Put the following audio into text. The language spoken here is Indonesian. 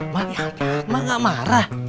mak mak gak marah